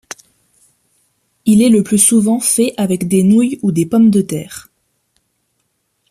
Il est le plus souvent fait avec des nouilles ou des pommes de terre.